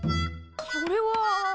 それは。